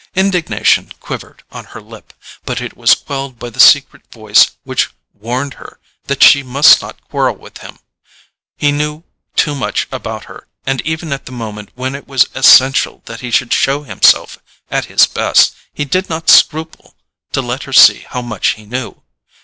Indignation quivered on her lip; but it was quelled by the secret voice which warned her that she must not quarrel with him. He knew too much about her, and even at the moment when it was essential that he should show himself at his best, he did not scruple to let her see how much he knew.